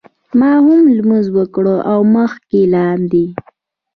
ما هم لمونځ وکړ او مخکې لاندې.